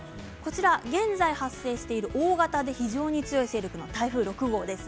現在、発生している大型で非常に強い勢力の台風６号です。